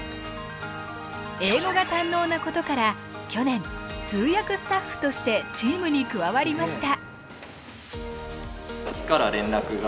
英語が堪能なことから去年通訳スタッフとしてチームに加わりました。